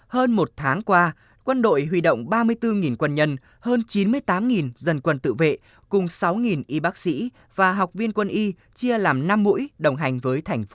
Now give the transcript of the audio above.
hơn một tháng qua quân đội huy động ba mươi bốn quân nhân hơn chín mươi tám dân quân tự vệ cùng sáu y bác sĩ và học viên quân y chia làm năm mũi đồng hành với thành phố